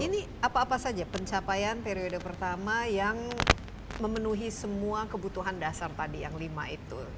ini apa apa saja pencapaian periode pertama yang memenuhi semua kebutuhan dasar tadi yang lima itu